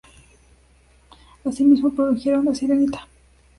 Asimismo, produjeron "La sirenita".